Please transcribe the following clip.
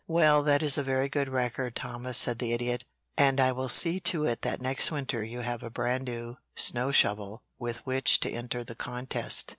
"Well, that is a very good record, Thomas," said the Idiot, "and I will see to it that next winter you have a brand new snow shovel with which to enter the contest."